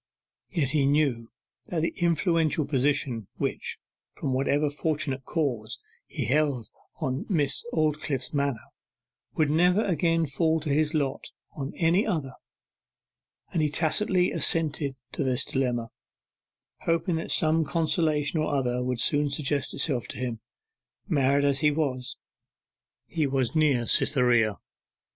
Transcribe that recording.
Yet he knew that the influential position, which, from whatever fortunate cause, he held on Miss Aldclyffe's manor, would never again fall to his lot on any other, and he tacitly assented to this dilemma, hoping that some consolation or other would soon suggest itself to him; married as he was, he was near Cytherea.